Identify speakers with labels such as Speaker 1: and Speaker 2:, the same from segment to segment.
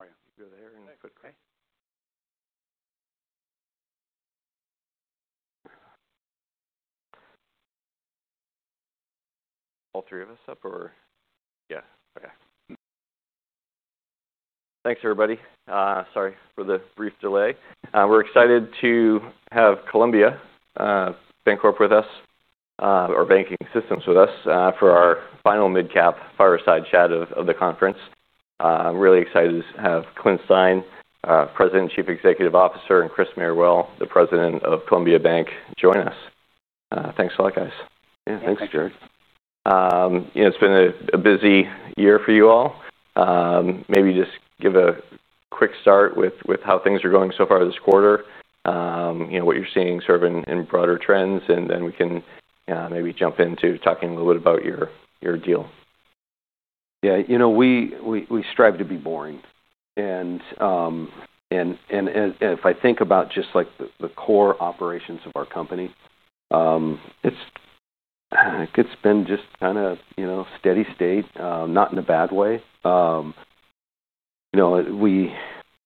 Speaker 1: All right. Let's go there and put.
Speaker 2: Okay.
Speaker 1: All three of us up or? Yes. Okay. Thanks, everybody. Sorry for the brief delay. We're excited to have Columbia Banking System with us for our final Mid-cap Fireside Chat of the conference. I'm really excited to have Clint Stein, President, Chief Executive Officer, and Chris Merrywell, the President of Columbia Bank, join us. Thanks a lot, guys.
Speaker 2: Yeah. Thanks, Jared.
Speaker 1: You know, it's been a busy year for you all. Maybe just give a quick start with how things are going so far this quarter. You know, what you're seeing in broader trends, and then we can maybe jump into talking a little bit about your deal.
Speaker 2: Yeah. You know, we strive to be boring. If I think about just the core operations of our company, it's been just kind of, you know, steady state, not in a bad way. You know,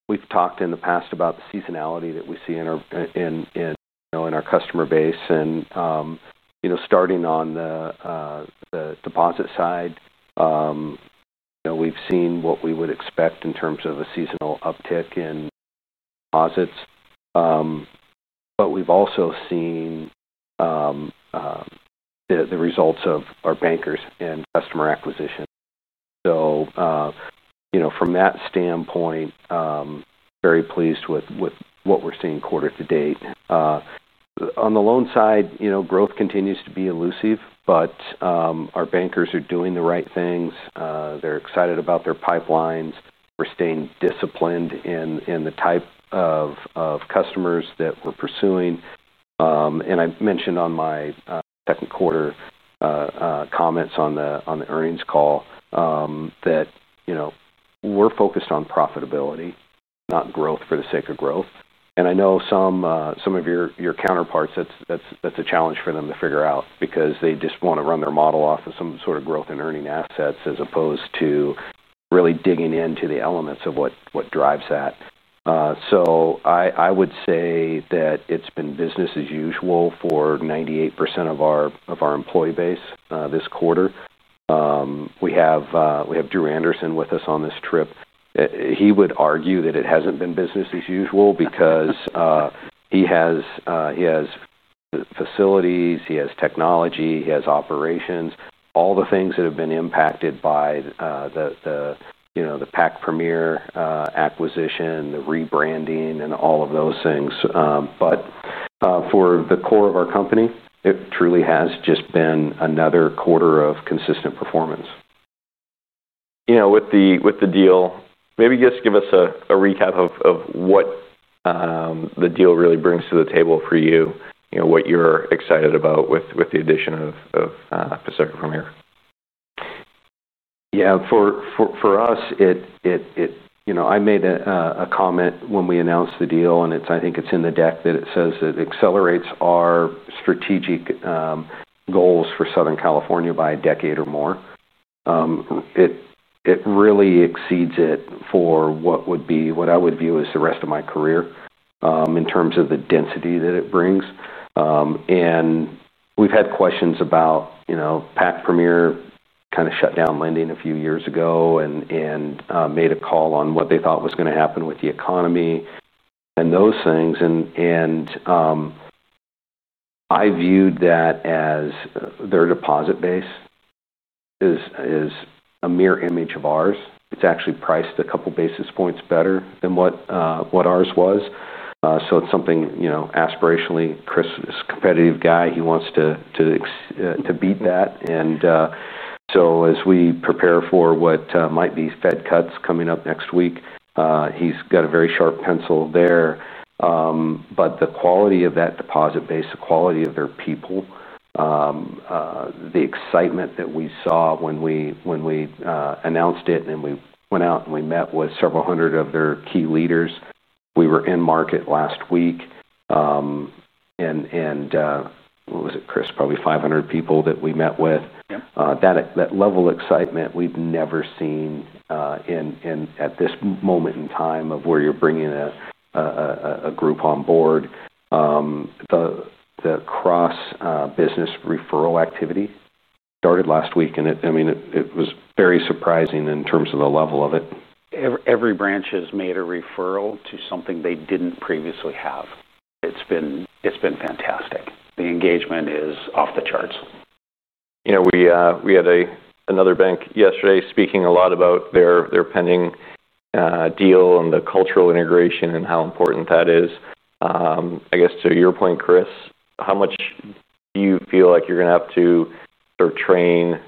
Speaker 2: we've talked in the past about the seasonality that we see in our customer base. Starting on the deposit side, we've seen what we would expect in terms of a seasonal uptick in deposits, but we've also seen the results of our bankers and customer acquisition. From that standpoint, very pleased with what we're seeing quarter to date. On the loan side, growth continues to be elusive, but our bankers are doing the right things. They're excited about their pipelines. We're staying disciplined in the type of customers that we're pursuing. I mentioned on my second quarter comments on the earnings call that we're focused on profitability, not growth for the sake of growth. I know some of your counterparts, that's a challenge for them to figure out because they just want to run their model off of some sort of growth in earning assets as opposed to really digging into the elements of what drives that. I would say that it's been business as usual for 98% of our employee base this quarter. We have Drew Anderson with us on this trip. He would argue that it hasn't been business as usual because he has the facilities, he has technology, he has operations, all the things that have been impacted by the Pac Premier acquisition, the rebranding, and all of those things. For the core of our company, it truly has just been another quarter of consistent performance.
Speaker 1: You know, with the deal, maybe just give us a recap of what the deal really brings to the table for you, you know, what you're excited about with the addition of Pacific Premier.
Speaker 2: Yeah. For us, you know, I made a comment when we announced the deal, and I think it's in the deck that it says it accelerates our strategic goals for Southern California by a decade or more. It really exceeds it for what would be what I would view as the rest of my career, in terms of the density that it brings. We've had questions about, you know, Pac Premier kind of shut down lending a few years ago and made a call on what they thought was going to happen with the economy and those things. I viewed that as their deposit base is a mirror image of ours. It's actually priced a couple basis points better than what ours was. It's something, you know, aspirationally, Chris is a competitive guy. He wants to beat that. As we prepare for what might be Fed cuts coming up next week, he's got a very sharp pencil there. The quality of that deposit base, the quality of their people, the excitement that we saw when we announced it and we went out and we met with several hundred of their key leaders. We were in market last week. What was it, Chris? Probably 500 people that we met with.
Speaker 1: Yeah.
Speaker 2: That level of excitement we've never seen at this moment in time of where you're bringing a group on board. The cross-business referral activity started last week, and it was very surprising in terms of the level of it. Every branch has made a referral to something they didn't previously have. It's been fantastic. The engagement is off the charts.
Speaker 1: You know, we had another bank yesterday speaking a lot about their pending deal and the cultural integration and how important that is. I guess to your point, Chris, how much do you feel like you're going to have to sort of train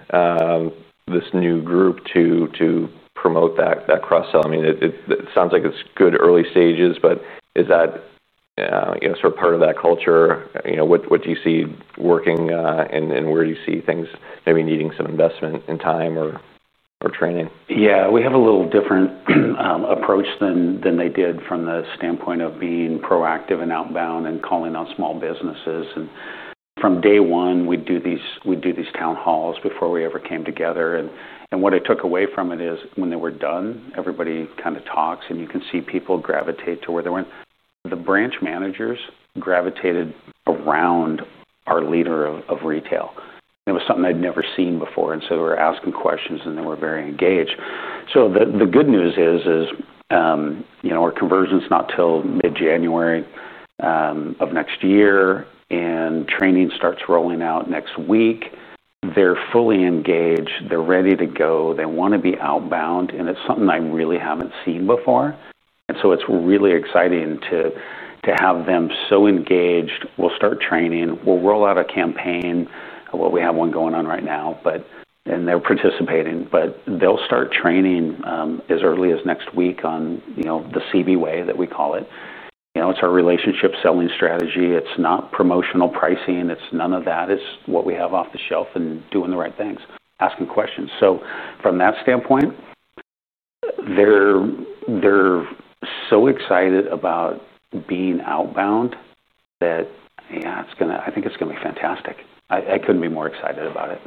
Speaker 1: this new group to promote that cross-sell? I mean, it sounds like it's good early stages, but is that, you know, sort of part of that culture? You know, what do you see working, and where do you see things maybe needing some investment in time or training?
Speaker 3: Yeah. We have a little different approach than they did from the standpoint of being proactive and outbound and calling on small businesses. From day one, we'd do these town halls before we ever came together. What I took away from it is when they were done, everybody kind of talks, and you can see people gravitate to where they went. The branch managers gravitated around our leader of Retail. It was something I'd never seen before. They were asking questions, and they were very engaged. The good news is, you know, our conversion is not till mid-January of next year, and training starts rolling out next week. They're fully engaged. They're ready to go. They want to be outbound. It's something I really haven't seen before. It's really exciting to have them so engaged. We'll start training. We'll roll out a campaign. We have one going on right now, and they're participating. They'll start training as early as next week on, you know, the CBWAY that we call it. You know, it's our relationship selling strategy. It's not promotional pricing. It's none of that. It's what we have off the shelf and doing the right things, asking questions. From that standpoint, they're so excited about being outbound that, yeah, I think it's going to be fantastic. I couldn't be more excited about it.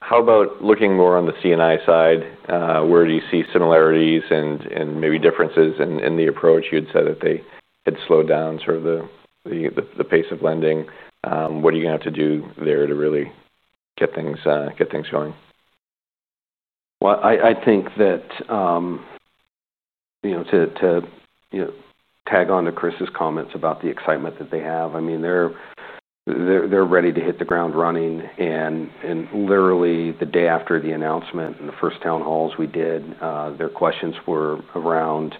Speaker 1: How about looking more on the C&I side? Where do you see similarities and maybe differences in the approach? You had said that they had slowed down the pace of lending. What are you going to have to do there to really get things going?
Speaker 2: I think that, you know, to tag on to Chris's comments about the excitement that they have, they're ready to hit the ground running. Literally, the day after the announcement and the first town halls we did, their questions were around,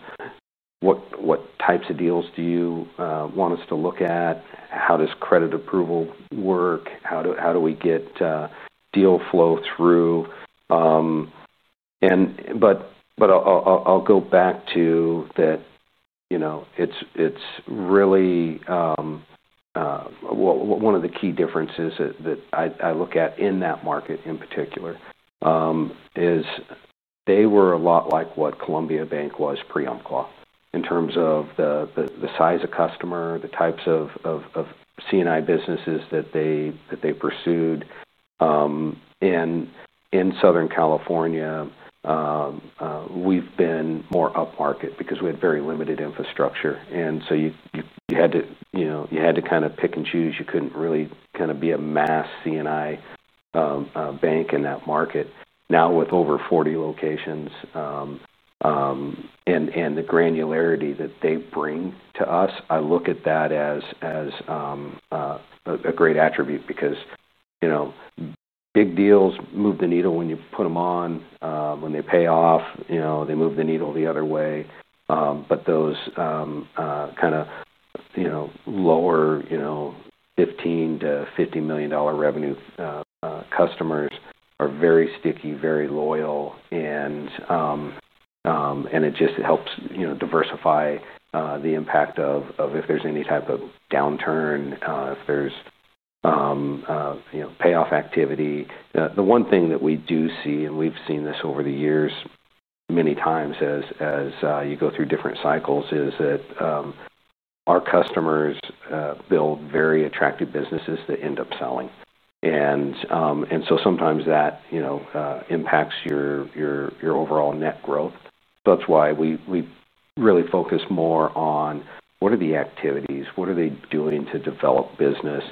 Speaker 2: what types of deals do you want us to look at? How does credit approval work? How do we get deal flow through? I'll go back to that, you know, it's really what one of the key differences that I look at in that market in particular is they were a lot like what Columbia Bank was pre-AMCLA in terms of the size of customer, the types of C&I businesses that they pursued. In Southern California, we've been more upmarket because we had very limited infrastructure. You had to kind of pick and choose. You couldn't really be a mass C&I bank in that market. Now, with over 40 locations and the granularity that they bring to us, I look at that as a great attribute because big deals move the needle when you put them on, when they pay off, they move the needle the other way. Those lower $15 million-$50 million revenue customers are very sticky, very loyal, and it just helps diversify the impact if there's any type of downturn, if there's payoff activity. The one thing that we do see, and we've seen this over the years many times as you go through different cycles, is that our customers build very attractive businesses that end up selling. Sometimes that impacts your overall net growth. That's why we really focus more on what are the activities, what are they doing to develop business,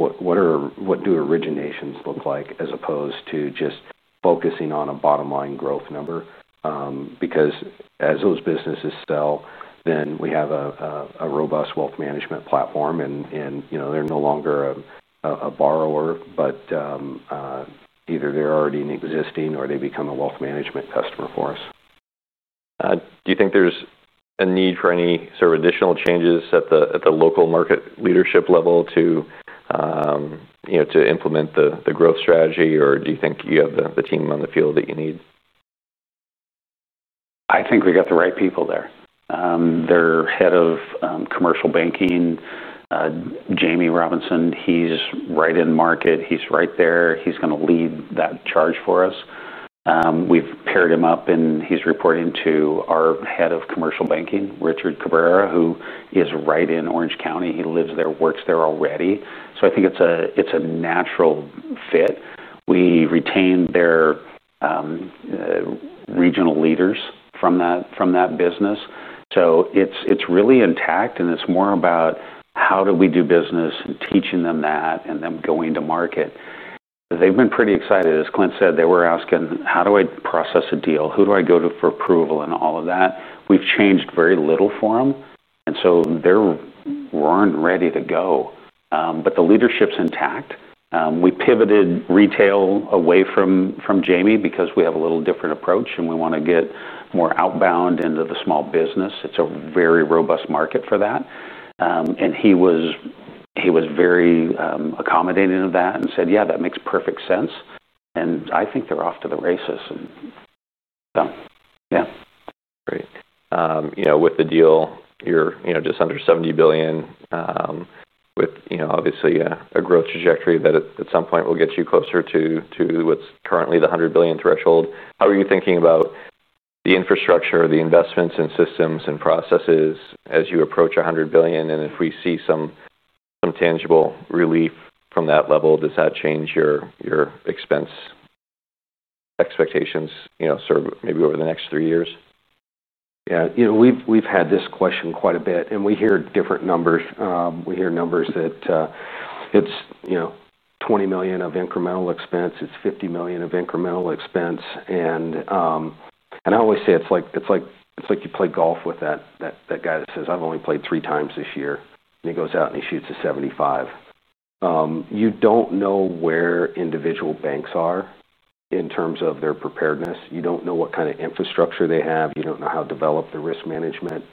Speaker 2: what do originations look like as opposed to just focusing on a bottom line growth number, because as those businesses sell, then we have a robust wealth management platform and they're no longer a borrower, but either they're already in existing or they become a wealth management customer for us.
Speaker 1: Do you think there's a need for any sort of additional changes at the local market leadership level to implement the growth strategy, or do you think you have the team on the field that you need?
Speaker 3: I think we got the right people there. Their Head of Commercial Banking, Jamie Robinson, he's right in market. He's right there. He's going to lead that charge for us. We've paired him up, and he's reporting to our Head of Commercial Banking, Richard Cabrera, who is right in Orange County. He lives there, works there already. I think it's a natural fit. We retained their regional leaders from that business. It's really intact, and it's more about how do we do business, teaching them that, and them going to market. They've been pretty excited. As Clint said, they were asking, how do I process a deal? Who do I go to for approval and all of that? We've changed very little for them. They weren't ready to go, but the leadership's intact. We pivoted retail away from Jamie because we have a little different approach, and we want to get more outbound into the small business. It's a very robust market for that, and he was very accommodating of that and said, yeah, that makes perfect sense. I think they're off to the races. Yeah.
Speaker 1: Great. With the deal, you're just under $70 billion, with obviously a growth trajectory that at some point will get you closer to what's currently the $100 billion regulatory threshold. How are you thinking about the infrastructure, the investments in systems and processes as you approach $100 billion? If we see some tangible relief from that level, does that change your expense expectations, maybe over the next 3 years?
Speaker 2: Yeah. You know, we've had this question quite a bit, and we hear different numbers. We hear numbers that it's, you know, $20 million of incremental expense. It's $50 million of incremental expense. I always say it's like you play golf with that guy that says, I've only played 3 times this year, and he goes out and he shoots a 75. You don't know where individual banks are in terms of their preparedness. You don't know what kind of infrastructure they have. You don't know how developed their risk management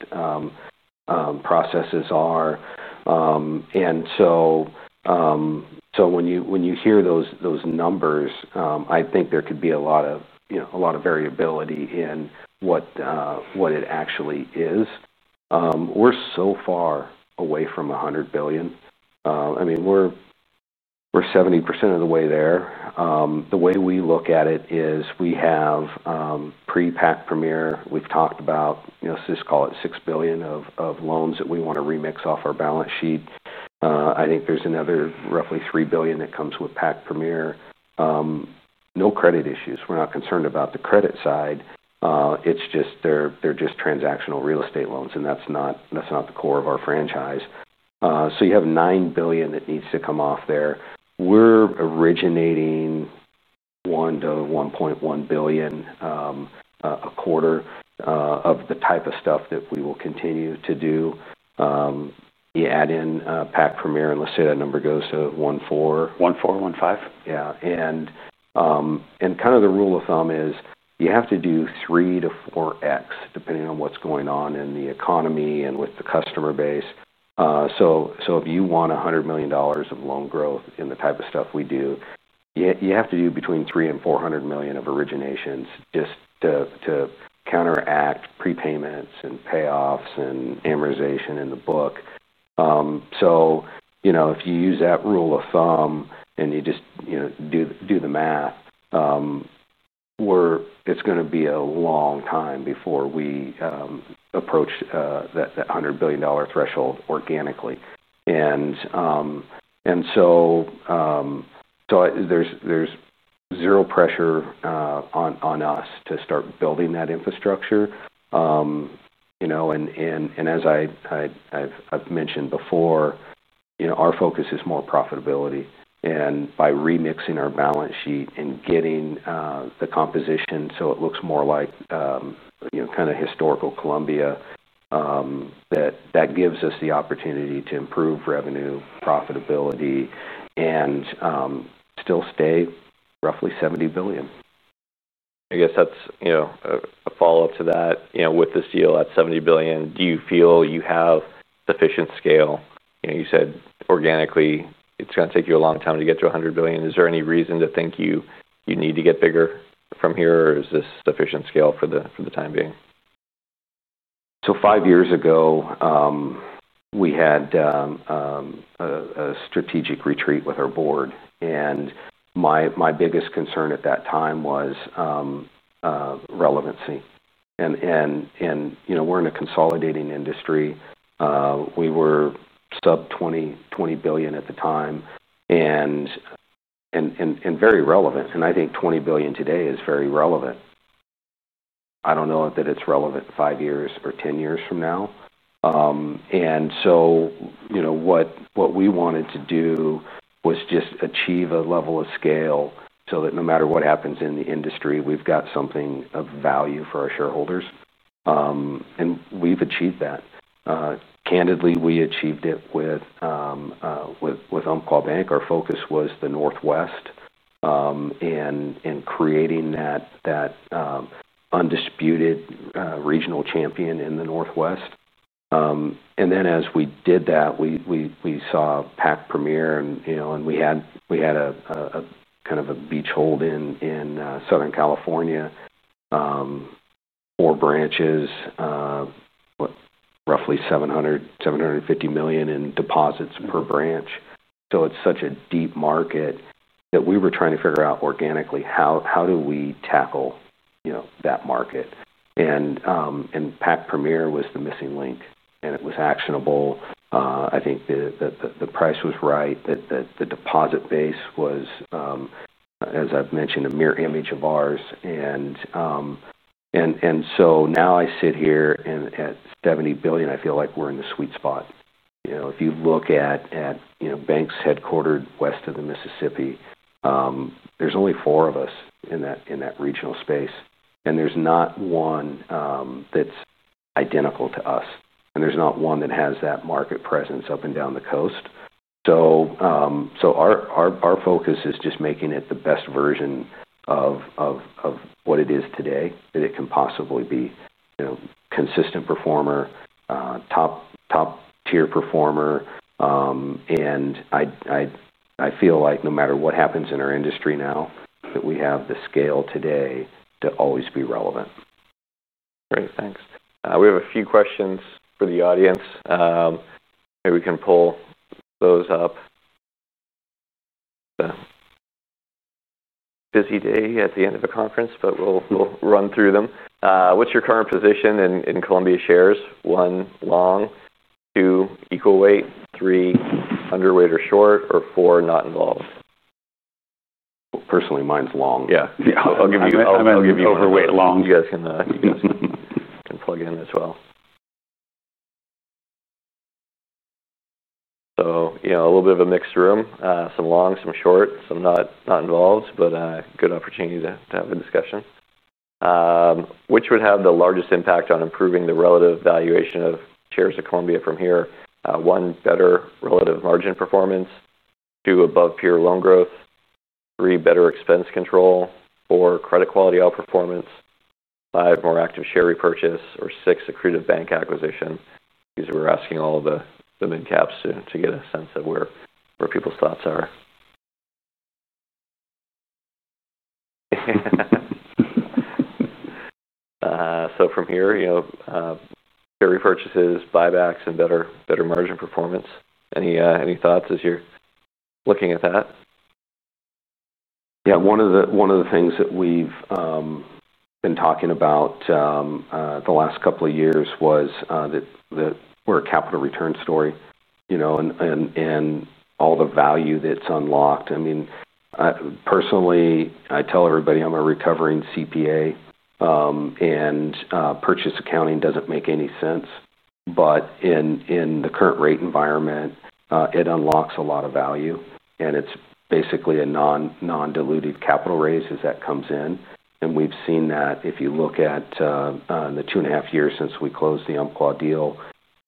Speaker 2: processes are. When you hear those numbers, I think there could be a lot of variability in what it actually is. We're so far away from $100 billion. I mean, we're 70% of the way there. The way we look at it is we have, pre-Pac Premier, we've talked about, you know, C&I, call it $6 billion of loans that we want to remix off our balance sheet. I think there's another roughly $3 billion that comes with Pac Premier. No credit issues. We're not concerned about the credit side. It's just they're just transactional real estate loans, and that's not the core of our franchise. You have $9 billion that needs to come off there. We're originating $1 billion-$1.1 billion a quarter of the type of stuff that we will continue to do. You add in Pac Premier, and let's say that number goes to $1.4 billion.
Speaker 1: 1.4? 1.5?
Speaker 2: Yeah, kind of the rule of thumb is you have to do 3x-4x depending on what's going on in the economy and with the customer base. If you want $100 million of loan growth in the type of stuff we do, you have to do between $300 million and $400 million of originations just to counteract prepayments and payoffs and amortization in the book. If you use that rule of thumb and you just do the math, it's going to be a long time before we approach that $100 billion threshold organically. There's zero pressure on us to start building that infrastructure. As I've mentioned before, our focus is more profitability. By remixing our balance sheet and getting the composition so it looks more like historical Columbia, that gives us the opportunity to improve revenue, profitability, and still stay roughly $70 billion.
Speaker 1: I guess that's a follow-up to that. With this deal at $70 billion, do you feel you have sufficient scale? You said organically, it's going to take you a long time to get to $100 billion. Is there any reason to think you need to get bigger from here, or is this sufficient scale for the time being?
Speaker 2: Five years ago, we had a strategic retreat with our board. My biggest concern at that time was relevancy. You know, we're in a consolidating industry. We were sub $20 billion at the time and very relevant. I think $20 billion today is very relevant. I don't know that it's relevant five years or ten years from now. What we wanted to do was just achieve a level of scale so that no matter what happens in the industry, we've got something of value for our shareholders. We've achieved that. Candidly, we achieved it with Bancorp Bank. Our focus was the Northwest and creating that undisputed regional champion in the Northwest. As we did that, we saw Pac Premier, and we had a kind of a beachhead in Southern California, more branches, roughly $700 million, $750 million in deposits per branch. It's such a deep market that we were trying to figure out organically how do we tackle that market. Pac Premier was the missing link, and it was actionable. I think the price was right, the deposit base was, as I've mentioned, a mirror image of ours. Now I sit here and at $70 billion, I feel like we're in the sweet spot. If you look at banks headquartered west of the Mississippi, there's only four of us in that regional space. There's not one that's identical to us. There's not one that has that market presence up and down the coast. Our focus is just making it the best version of what it is today that it can possibly be, consistent performer, top tier performer. I feel like no matter what happens in our industry now, we have the scale today to always be relevant.
Speaker 1: Great. Thanks. We have a few questions for the audience. Maybe we can pull those up. Busy day at the end of a conference, but we'll run through them. What's your current position in Columbia shares? 1, long; 2, equal weight; 3, underweight or short; or 4, not involved?
Speaker 2: Personally, mine's long.
Speaker 1: Yeah. I'll give you overweight long. You guys can plug in as well. You know, a little bit of a mixed room, some long, some short, some not involved, but good opportunity to have the discussions. Which would have the largest impact on improving the relative valuation of shares of Columbia from here? 1, better relative margin performance; 2, above peer loan growth; 3, better expense control; 4, credit quality outperformance; 5, more active share repurchase; or 6, accretive bank acquisition. These are asking all of the mid-caps to get a sense of where people's thoughts are. From here, carry purchases, buybacks, and better margin performance. Any thoughts as you're looking at that?
Speaker 2: Yeah. One of the things that we've been talking about the last couple of years was that we're a capital return story, you know, and all the value that's unlocked. I mean, personally, I tell everybody I'm a recovering CPA, and purchase accounting doesn't make any sense. In the current rate environment, it unlocks a lot of value, and it's basically a non-diluted capital raise as that comes in. We've seen that if you look at the two and a half years since we closed the Umpqua deal,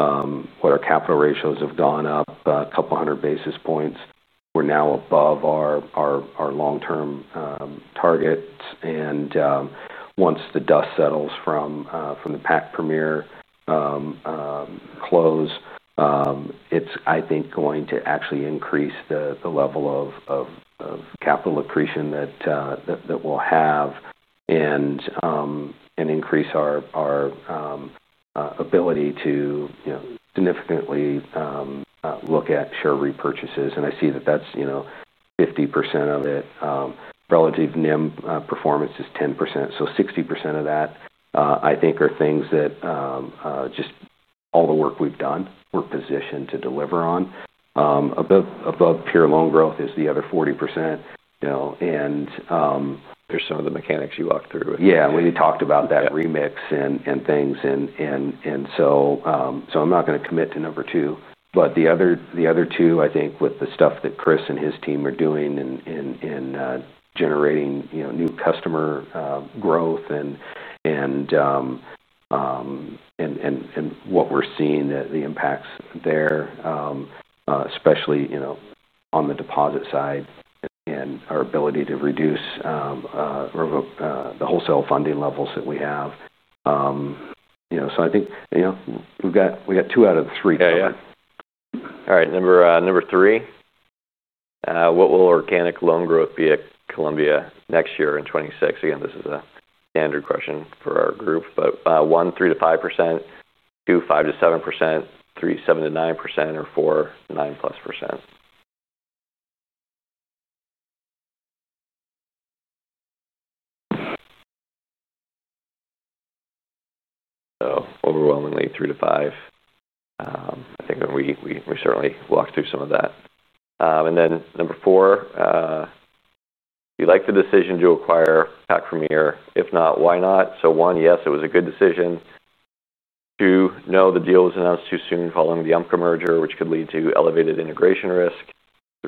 Speaker 2: our capital ratios have gone up a couple hundred basis points. We're now above our long-term targets. Once the dust settles from the Pac Premier close, it's, I think, going to actually increase the level of capital accretion that we'll have and increase our ability to significantly look at share repurchases. I see that that's 50% of it. Relative NIM performance is 10%. So 60% of that, I think, are things that just all the work we've done, we're positioned to deliver on. Above pure loan growth is the other 40%. There are some of the mechanics you walk through. We had talked about that remix and things. I'm not going to commit to number two. The other two, I think, with the stuff that Chris and his team are doing and generating new customer growth and what we're seeing, the impacts there, especially on the deposit side and our ability to reduce the wholesale funding levels that we have. I think we've got two out of the three.
Speaker 1: Yeah. Yeah. All right. Number 3, what will organic loan growth be at Columbia next year in 2026? Again, this is a standard question for our group, but 1, 3%-5%; 2, 5%-7%; 3, 7 %-9%; or 4, 9+%. Overwhelmingly, 3%-5%. I think we certainly walked through some of that. Number 4, you like the decision to acquire Pac Premier. If not, why not? 1, yes, it was a good decision. 2, no, the deal was announced too soon following the Umpqua merger, which could lead to elevated integration risk.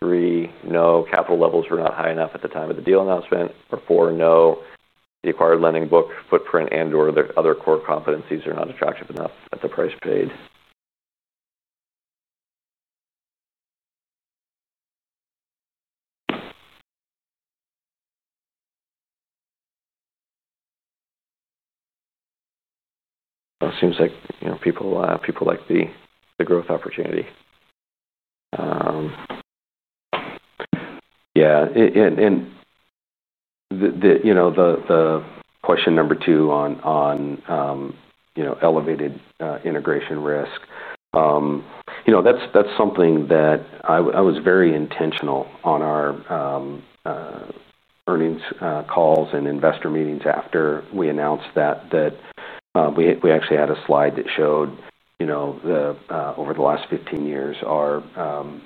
Speaker 1: 3, no, capital levels were not high enough at the time of the deal announcement. 4, no, the acquired lending book footprint and/or the other core competencies are not attractive enough at the price paid. It seems like, you know, people like the growth opportunity.
Speaker 2: Yeah. The question number 2 on elevated integration risk, that's something that I was very intentional on our earnings calls and investor meetings after we announced that. We actually had a slide that showed, over the last 15 years, our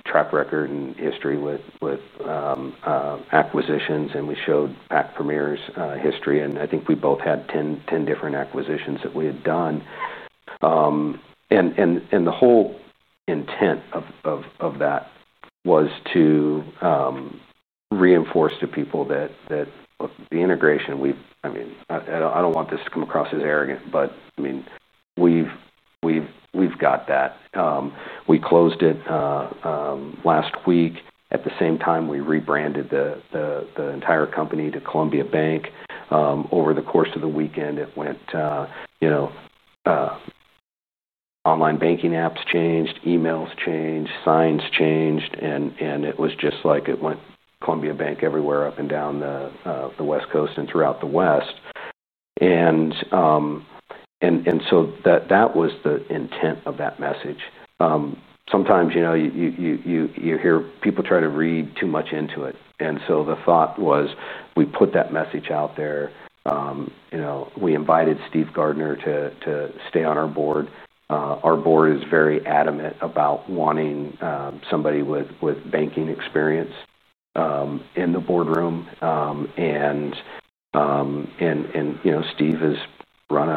Speaker 2: track record and history with acquisitions, and we showed Pac Premier's history. I think we both had 10 different acquisitions that we had done. The whole intent of that was to reinforce to people that the integration, I mean, I don't want this to come across as arrogant, but we've got that. We closed it last week. At the same time, we rebranded the entire company to Columbia Bank. Over the course of the weekend, it went, you know, online banking apps changed, emails changed, signs changed, and it was just like it went Columbia Bank everywhere up and down the West Coast and throughout the West. That was the intent of that message. Sometimes you hear people try to read too much into it. The thought was we put that message out there. We invited Steve Gardner to stay on our board. Our board is very adamant about wanting somebody with banking experience in the boardroom. Steve has run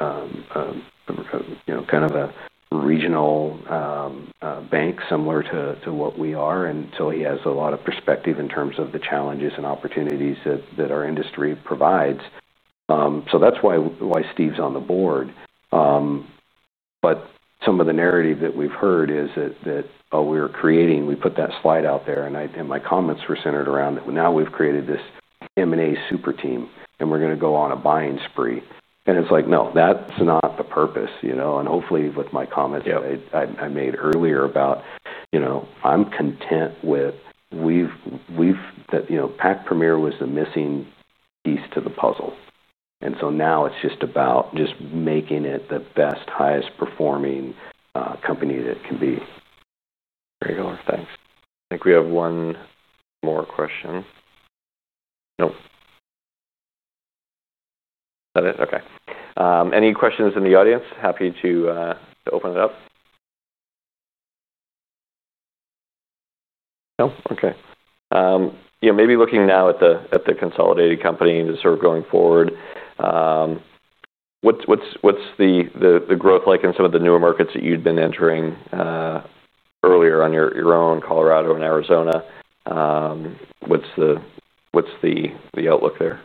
Speaker 2: a regional bank similar to what we are, and so he has a lot of perspective in terms of the challenges and opportunities that our industry provides. That's why Steve's on the board. Some of the narrative that we've heard is that, oh, we were creating, we put that slide out there, and my comments were centered around that now we've created this M&A super team, and we're going to go on a buying spree. It's like, no, that's not the purpose. Hopefully, with my comments that I made earlier about, I'm content with we've, that Pac Premier was the missing piece to the puzzle. Now it's just about making it the best, highest performing company that it can be.
Speaker 1: Very cool. Thanks. I think we have one more question. Nope. Nothing? Okay. Any questions in the audience? Happy to open it up. No? Okay. You know, maybe looking now at the consolidated company and just sort of going forward, what's the growth like in some of the newer markets that you'd been entering earlier on your own, Colorado and Arizona? What's the outlook there?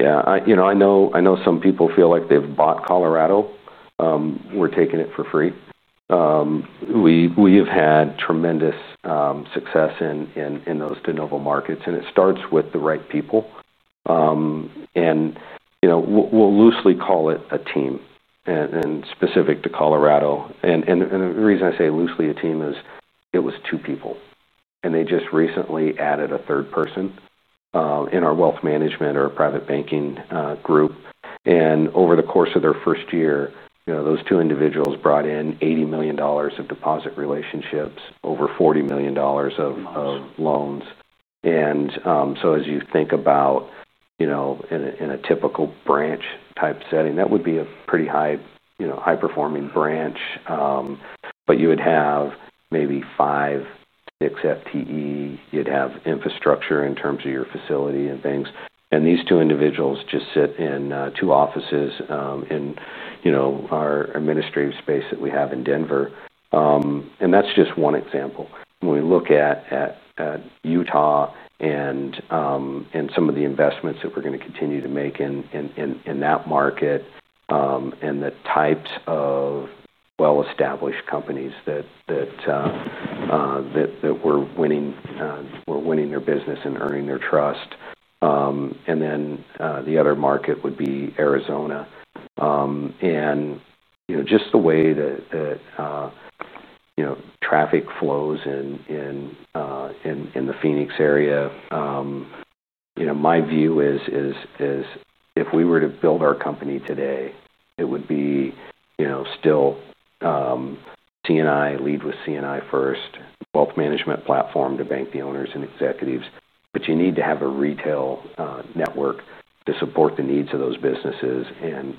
Speaker 2: Yeah. I know some people feel like they've bought Colorado, we're taking it for free. We have had tremendous success in those de novo markets, and it starts with the right people. We'll loosely call it a team, and specific to Colorado. The reason I say loosely a team is it was 2 people. They just recently added a third person in our wealth management or private banking group. Over the course of their first year, those two individuals brought in $80 million of deposit relationships, over $40 million of loans. As you think about, in a typical branch type setting, that would be a pretty high-performing branch, but you would have maybe five, six FTE. You'd have infrastructure in terms of your facility and things. These two individuals just sit in two offices in our administrative space that we have in Denver. That's just one example. When we look at Utah and some of the investments that we're going to continue to make in that market, and the types of well-established companies that we're winning, we're winning their business and earning their trust. The other market would be Arizona. Just the way that traffic flows in the Phoenix area, my view is if we were to build our company today, it would be still C&I lead with C&I first, wealth management platform to bank the owners and executives. You need to have a retail network to support the needs of those businesses and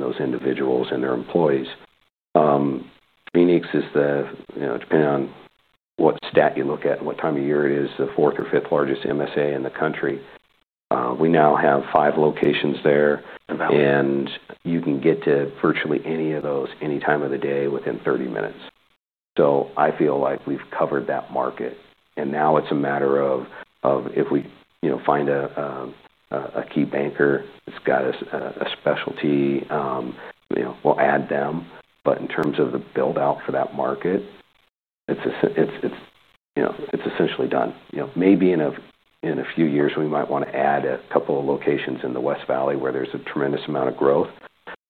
Speaker 2: those individuals and their employees. Phoenix is, depending on what stat you look at, what time of year it is, the 4th or 5th largest MSA in the country. We now have 5 locations there, and you can get to virtually any of those any time of the day within 30 minutes. I feel like we've covered that market. Now it's a matter of if we find a key banker that's got a specialty, we'll add them. In terms of the build-out for that market, it's essentially done. Maybe in a few years, we might want to add a couple of locations in the West Valley where there's a tremendous amount of growth.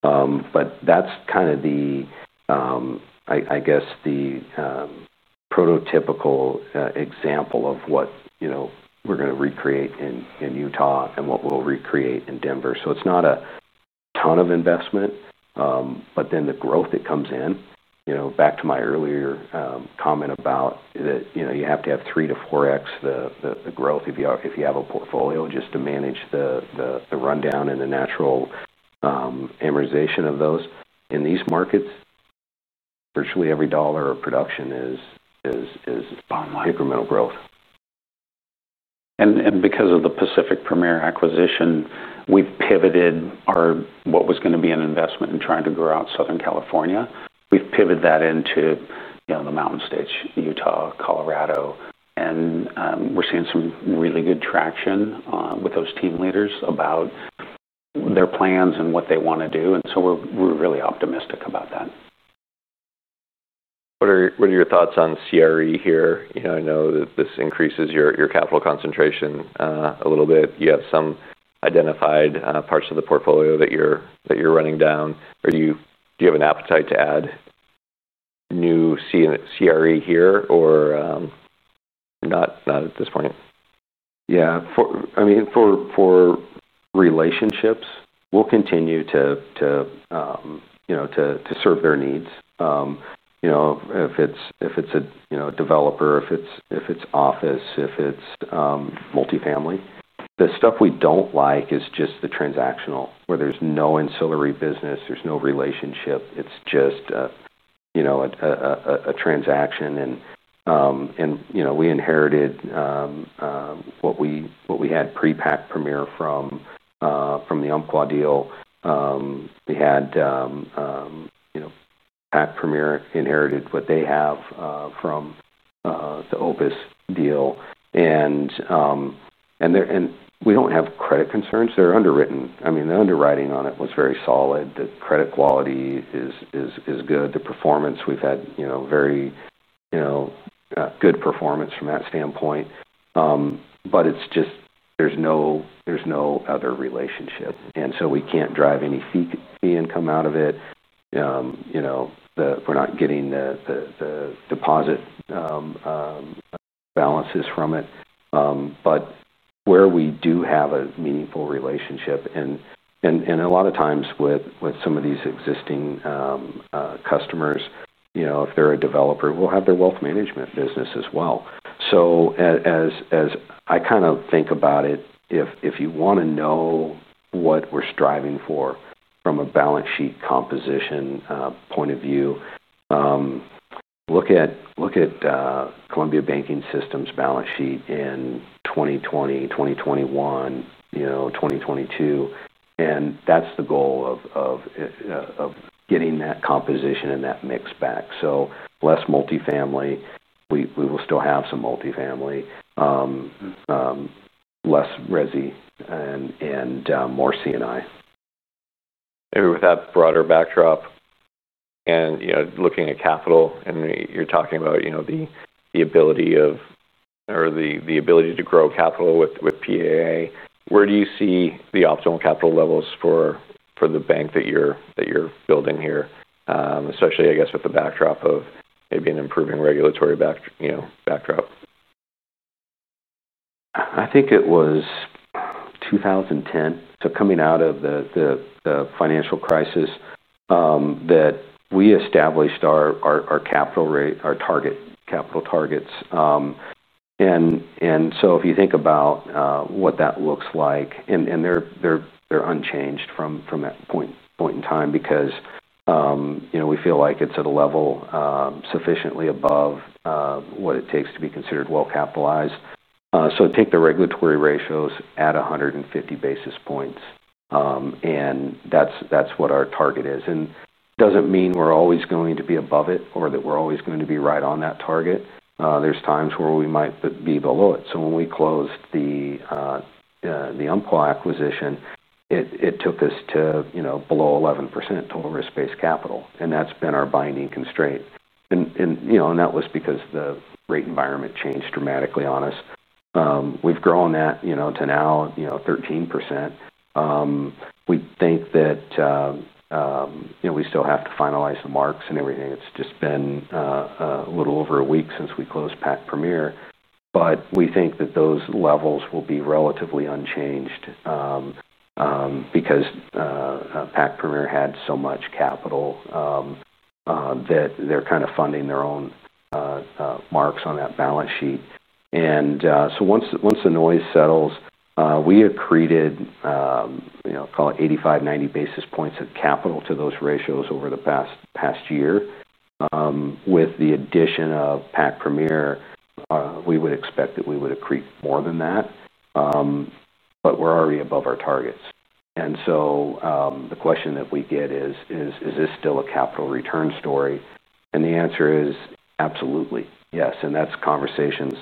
Speaker 2: That's kind of the prototypical example of what we're going to recreate in Utah and what we'll recreate in Denver. It's not a ton of investment, but then the growth that comes in, you know, back to my earlier comment about that, you know, you have to have 3x-4x the growth if you have a portfolio just to manage the rundown and the natural amortization of those. In these markets, virtually every dollar of production is on micrometal growth.
Speaker 3: Because of the Pacific Premier acquisition, we've pivoted our what was going to be an investment in trying to grow out Southern California. We've pivoted that into, you know, the mountain states, Utah, Colorado. We're seeing some really good traction with those team leaders about their plans and what they want to do, and we're really optimistic about that.
Speaker 1: What are your thoughts on CRE here? I know that this increases your capital concentration a little bit. You have some identified parts of the portfolio that you're running down. Do you have an appetite to add new CRE here, or not at this point?
Speaker 2: Yeah. For relationships, we'll continue to serve their needs. You know, if it's a developer, if it's office, if it's multifamily. The stuff we don't like is just the transactional where there's no ancillary business. There's no relationship. It's just a transaction. We inherited what we had pre-Pac Premier from the Umpqua deal. Pac Premier inherited what they have from the Opus deal. We don't have credit concerns. They're underwritten. The underwriting on it was very solid. The credit quality is good. The performance we've had, you know, very good performance from that standpoint. It's just there's no other relationship, and so we can't drive any fee income out of it. We're not getting the deposit balances from it. Where we do have a meaningful relationship, and a lot of times with some of these existing customers, you know, if they're a developer, we'll have their wealth management business as well. As I kind of think about it, if you want to know what we're striving for from a balance sheet composition point of view, look at Columbia Banking System's balance sheet in 2020, 2021, 2022. That's the goal of getting that composition and that mix back. Less multifamily, we will still have some multifamily, less resi, and more C&I.
Speaker 1: With that broader backdrop and, you know, looking at capital and you're talking about the ability of or the ability to grow capital with PAA, where do you see the optimal capital levels for the bank that you're building here, especially, I guess, with the backdrop of maybe an improving regulatory backdrop?
Speaker 2: I think it was in 2010, coming out of the financial crisis, that we established our capital targets. If you think about what that looks like, they're unchanged from that point in time because we feel like it's at a level sufficiently above what it takes to be considered well capitalized. Take the regulatory ratios, add 150 basis points, and that's what our target is. It doesn't mean we're always going to be above it or that we're always going to be right on that target. There are times where we might be below it. When we closed the Umpqua acquisition, it took us to below 11% total risk-based capital. That's been our binding constraint, and that was because the rate environment changed dramatically on us. We've grown that to now 13%. We think that we still have to finalize the marks and everything. It's just been a little over a week since we closed Pac Premier, but we think that those levels will be relatively unchanged because Pac Premier had so much capital that they're kind of funding their own marks on that balance sheet. Once the noise settles, we accreted, call it 85, 90 basis points of capital to those ratios over the past year. With the addition of Pac Premier, we would expect that we would accrete more than that. We're already above our targets. The question that we get is, is this still a capital return story? The answer is absolutely yes. That's conversations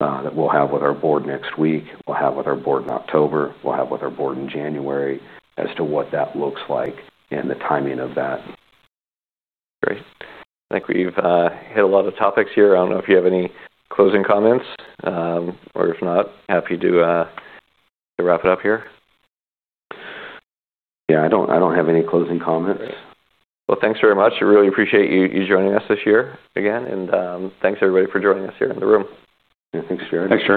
Speaker 2: that we'll have with our board next week, with our board in October, and with our board in January as to what that looks like and the timing of that.
Speaker 1: Great. I think we've hit a lot of topics here. I don't know if you have any closing comments, or if not, happy to wrap it up here.
Speaker 2: I don't have any closing comments.
Speaker 1: Great. Thank you very much. I really appreciate you joining us this year again. Thank you, everybody, for joining us here in the room.
Speaker 2: Yeah, thanks, Jeremy.
Speaker 3: Thanks.